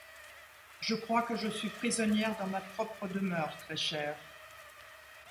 Je crois que je suis prisonnière dans ma propre demeure, très chère.